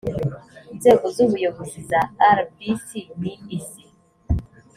inzego z’ubuyobozi za rbc ni izi